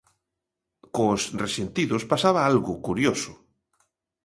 Cos Resentidos pasaba algo curioso.